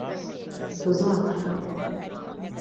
tuzatahe